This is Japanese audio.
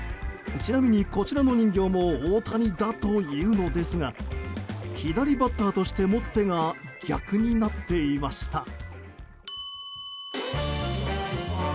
ちなみに、こちらの人形も大谷だというのですが左バッターとして持つ手が逆になっていました。